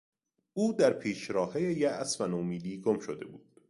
او در پیچراههی یاس و نومیدی گم شده بود.